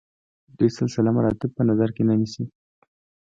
دوی سلسله مراتب په نظر کې نه نیسي.